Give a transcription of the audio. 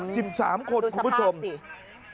สิบสามคนคุณผู้ชมดูสภาพสิ